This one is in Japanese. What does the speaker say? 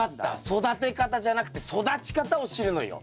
育て方じゃなくて育ち方を知るのよ。